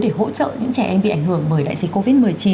để hỗ trợ những trẻ em bị ảnh hưởng bởi đại dịch covid một mươi chín